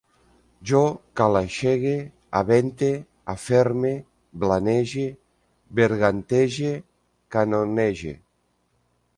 Jo calaixege, avente, aferme, blanege, bergantege, canonege